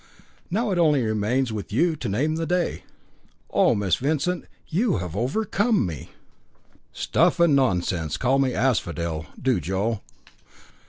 Now it only remains with you to name the day." "Oh! Miss Vincent, you overcome me." "Stuff and nonsense. Call me Asphodel, do Joe."